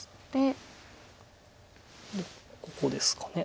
でここですか。